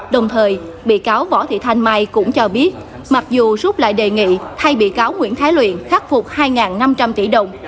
đồng thời bị cáo võ thị thanh mai cũng cho biết mặc dù rút lại đề nghị thay bị cáo nguyễn thái luyện khắc phục hai năm trăm linh tỷ đồng